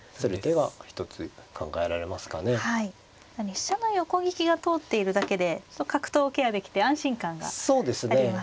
飛車の横利きが通っているだけで角頭をケアできて安心感がありますね。